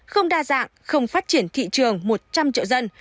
không đa dạng không phát triển thị trường một trăm linh triệu dân